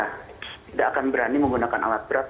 tidak akan berani menggunakan alat berat